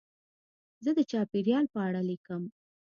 زه د چاپېریال په اړه لیکم.